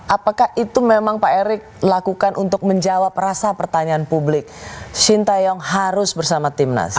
apakah itu memang pak erick lakukan untuk menjawab rasa pertanyaan publik shin taeyong harus bersama timnas